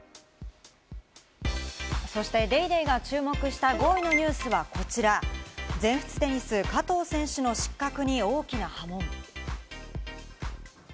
そして『ＤａｙＤａｙ．』が注目した５位のニュースはこちら、全仏テニス、加藤選手の失格に大きな波紋。